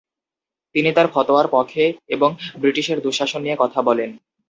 তিনি তার ফতোয়ার পক্ষে এবং বৃটিশের দুঃশাসন নিয়ে কথা বলেন।